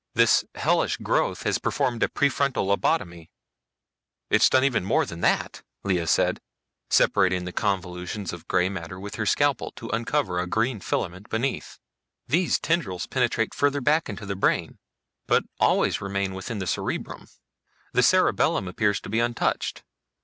"This hellish growth has performed a prefrontal lobotomy!" "It's done even more than that," Lea said, separating the convolutions of the gray matter with her scalpel to uncover a green filament beneath. "These tendrils penetrate further back into the brain, but always remain in the cerebrum. The cerebellum appears to be untouched.